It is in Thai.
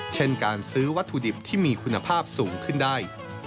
เช่นการซื้อวัตถุดิบที่มีคุณภาพสูงขึ้นได้